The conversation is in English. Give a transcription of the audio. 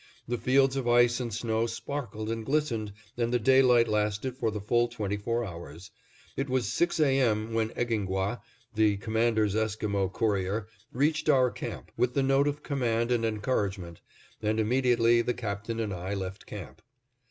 The fields of ice and snow sparkled and glistened and the daylight lasted for the full twenty four hours. It was six A. M. when Egingwah, the Commander's Esquimo courier, reached our camp, with the note of command and encouragement; and immediately the Captain and I left camp.